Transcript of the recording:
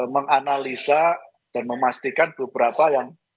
menganalisa dan memastikan beberapa yang